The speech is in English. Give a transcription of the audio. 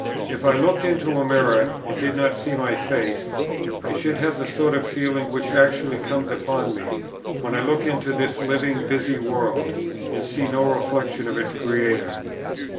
If I looked into a mirror, and did not see my face, I should have the sort of feeling which actually comes upon me, when I look into this living busy world, and see no reflexion of its Creator.